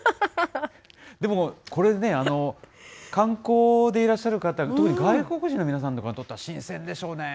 でもこれでね、観光でいらっしゃる方、特に、外国人の皆さんとかにとっては、新鮮でしょうね。